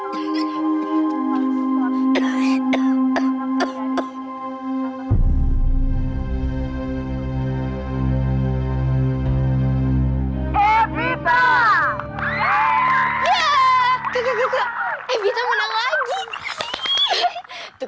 dan juga program jelinan cinta